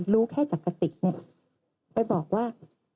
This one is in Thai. รู้แค่จักรติกเนี่ยไปบอกว่า